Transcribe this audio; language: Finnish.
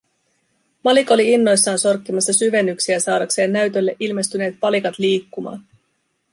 Malik oli innoissaan sorkkimassa syvennyksiä saadakseen näytölle ilmestyneet palikat liikkumaan.